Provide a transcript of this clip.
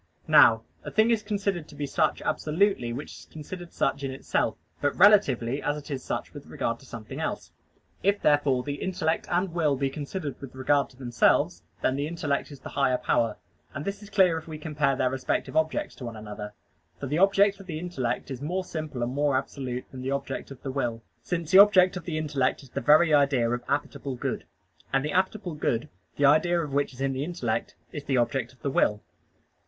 Now a thing is considered to be such absolutely which is considered such in itself: but relatively as it is such with regard to something else. If therefore the intellect and will be considered with regard to themselves, then the intellect is the higher power. And this is clear if we compare their respective objects to one another. For the object of the intellect is more simple and more absolute than the object of the will; since the object of the intellect is the very idea of appetible good; and the appetible good, the idea of which is in the intellect, is the object of the will.